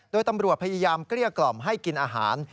โดยตำรวจพยายามเกลี้ยกล่อมให้กินอาหาร